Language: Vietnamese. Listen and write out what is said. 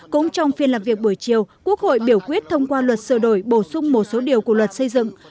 cũng trong phiên làm việc buổi chiều quốc hội biểu quyết thông qua luật sửa đổi bổ sung một số điều của luật xây dựng